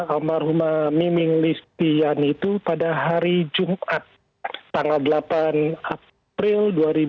almarhumah miming listian itu pada hari jumat tanggal delapan april dua ribu enam belas